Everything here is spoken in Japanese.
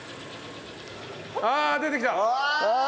ああ出てきた！ああ！